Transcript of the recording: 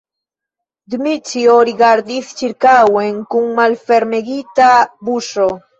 Dmiĉjo rigardis ĉirkaŭen kun malfermegita buŝo.